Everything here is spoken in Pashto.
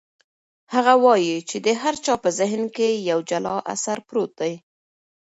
هغه وایي چې د هر چا په ذهن کې یو جلا اثر پروت دی.